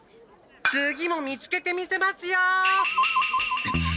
次も見つけてみせますよ。